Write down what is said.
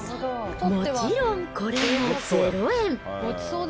もちろん、これも０円。